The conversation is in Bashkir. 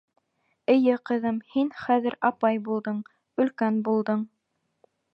— Эйе, ҡыҙым, һин хәҙер апай булдың, өлкән булдың.